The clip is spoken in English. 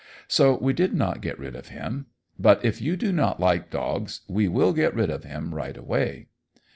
So we did not get rid of him; but if you do not like dogs we will get rid of him right away."